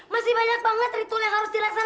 masih banyak banget ritual yang harus dilaksanakan